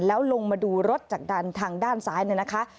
แล้วลงมาดูรถจากด้านทางด้านซ้ายเนี่ยนะคะ